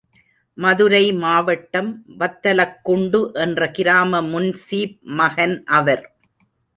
மதுரை மாவட்டம் வத்தலக்குண்டு என்ற கிராம முன்சீப் மகன் அவர்!